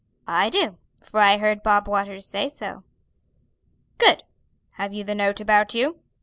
"I do, for I heard Bob Waters say so." "Good! have you the note about you?"